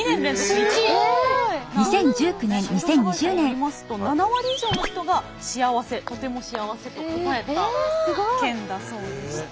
調査会社によりますと７割以上の人が「幸せ」「とても幸せ」と答えた県だそうでして。